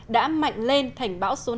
đã mạnh lên thành bão sông